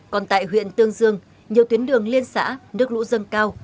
còn tại huyện tương dương nhiều tuyến đường liên xã nước lũ dâng cao